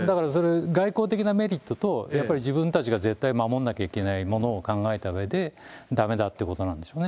外交的なメリットと、やっぱり自分たちが絶対守んなきゃいけないものを考えたうえで、だめだっていうことなんでしょうね。